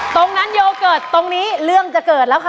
โยเกิร์ตตรงนี้เรื่องจะเกิดแล้วค่ะ